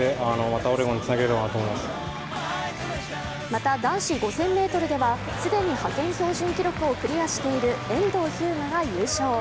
また、男子５０００ｍでは既に派遣標準記録をクリアしている遠藤日向が優勝。